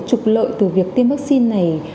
trục lợi từ việc tiêm vaccine này